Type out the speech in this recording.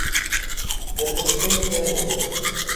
Гэта ж трэція роды.